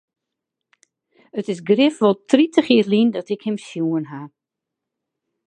It is grif wol tritich jier lyn dat ik him sjoen ha.